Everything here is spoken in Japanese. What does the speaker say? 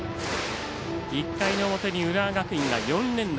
１回の表に浦和学院が４連打。